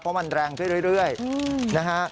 เพราะมันแรงขึ้นเรื่อยนะฮะ